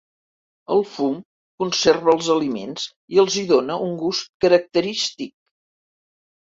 El fum conserva els aliments i els hi dóna un gust característic.